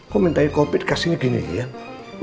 kok minta kopit kasihnya gini ian